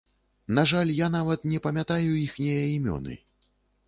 На жаль, я нават не памятаю іхнія імёны.